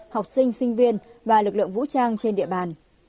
học sinh sinh viên và lực lượng vũ trang trên địa bàn